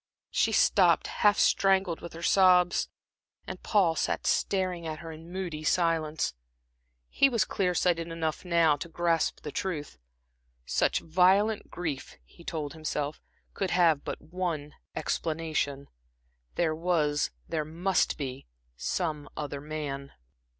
She stopped, half strangled with her sobs, and Paul sat staring at her in moody silence. He was clear sighted enough now to grasp the truth. Such violent grief, he told himself, could have but one explanation. There was, there must be, some other man.